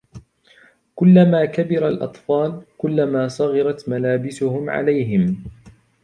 كلما كبر الأطفال... كلما صغرت ملابسهم عليهم.